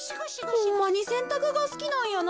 ホンマにせんたくがすきなんやなぁ。